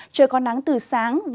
trời có nắng từ sáng